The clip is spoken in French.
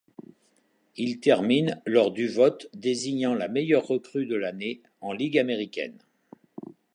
Il termine lors du vote désignant la meilleure recrue de l'année en Ligue américaine.